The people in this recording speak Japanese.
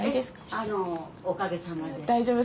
あのおかげさまで。